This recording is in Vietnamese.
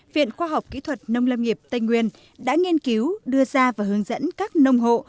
viện khoa học kỹ thuật nông lâm nghiệp tây nguyên đã nghiên cứu đưa ra và hướng dẫn các nông hộ